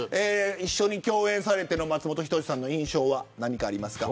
共演されている松本さんの印象は何かありますか。